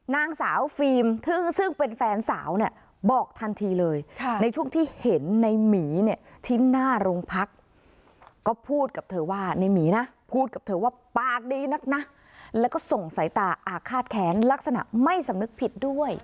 นางสาวฟิล์มซึ่งเป็นแฟนสาวบอกทันทีเลยในช่วงที่เห็นในหมีที่หน้าโรงพักก็พูดกับเธอว่าปากดีเล็กและก็ส่งสายตาอากาศแขนลักษณะไม่สำนึกผิดด้วย